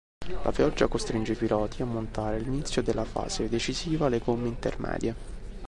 La pioggia costringe i piloti a montare, all'inizio della fase decisiva, le gomme intermedie.